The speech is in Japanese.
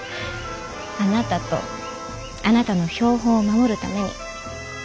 あなたとあなたの標本を守るために。